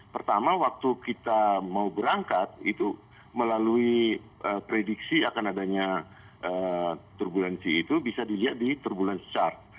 pertama waktu kita mau berangkat itu melalui prediksi akan adanya turbulensi itu bisa dilihat di turbulan chart